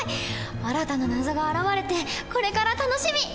新たな謎が現れてこれから楽しみ！